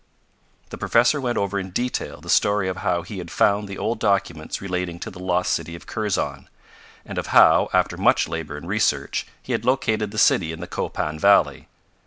The professor went over in detail the story of how he had found the old documents relating to the lost city of Kurzon, and of how, after much labor and research, he had located the city in the Copan valley.